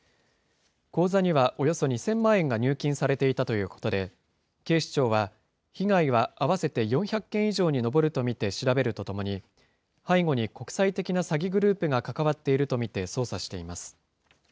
口座にはおよそ２０００万円が入金されていたということで、警視庁は、被害は合わせて４００件以上に上ると見て調べるとともに、背後に国際的な詐欺グループが関わっているとみて捜査しています。